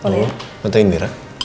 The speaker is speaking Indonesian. halo tante indira